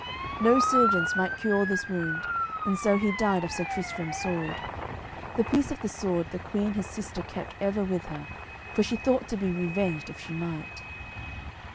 No surgeons might cure this wound, and so he died of Sir Tristram's sword. That piece of the sword the queen his sister kept ever with her, for she thought to be revenged, if she might.